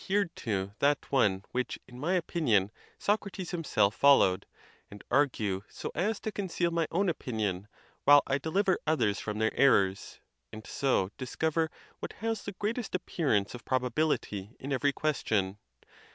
167 hered to that one which, in my opinion, Socrates himself followed ; and argue so as to conceal my own opinion, while I deliver others from their errors, and so discover what has the greatest appearance of probability in every question.